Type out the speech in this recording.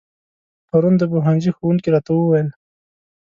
پرون د پوهنځي ښوونکي راته و ويل